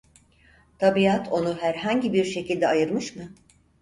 Tabiat onu herhangi bir şekilde ayırmış mı?